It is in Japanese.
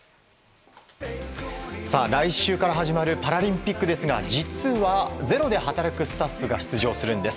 来週から始まるパラリンピックですが実は、「ｚｅｒｏ」で働く選手が出場するんです。